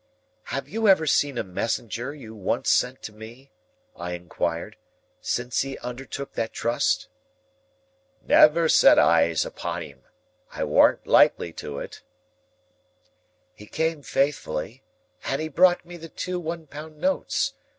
"Have you ever seen a messenger you once sent to me," I inquired, "since he undertook that trust?" "Never set eyes upon him. I warn't likely to it." "He came faithfully, and he brought me the two one pound notes.